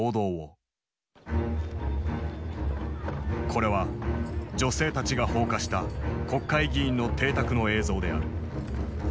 これは女性たちが放火した国会議員の邸宅の映像である。